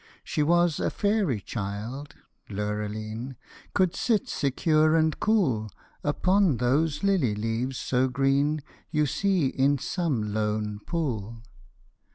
She was a fairy child, Lurline, could sit secure and cool, Upon those lily leaves so green you see in some lone pool.